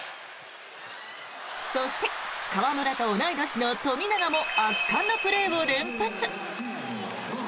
そして、河村と同い年の富永も圧巻のプレーを連発。